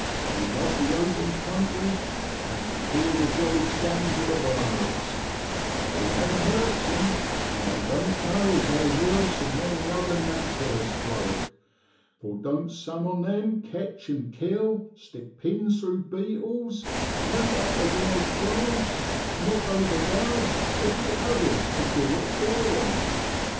I love the open country, and tu heer the jolly songs of the bards; I never hurts 'em, and I don't know as I'm worse 'an many another naturalist l bloke,' for don't some on 'em ketch an' kill, stick pins through beetles, rute up the wild plants, knock over bards, or git others tu du it for 'em